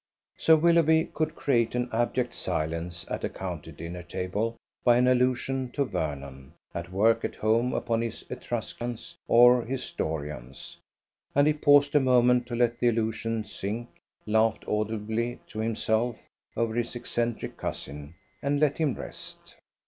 Sir Willoughby could create an abject silence at a county dinner table by an allusion to Vernon "at work at home upon his Etruscans or his Dorians"; and he paused a moment to let the allusion sink, laughed audibly to himself over his eccentric cousin, and let him rest.